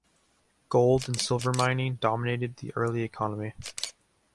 Gold and silver mining dominated the early economy.